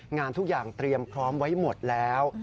งานทุกอย่างเตรียมพร้อมไว้หมดแล้ว